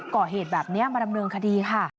ก่อเหตุแบบนี้มาดำเนินคดีค่ะ